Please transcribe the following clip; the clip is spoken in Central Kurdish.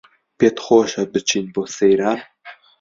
پێتخۆشە بچین بۆ سەیران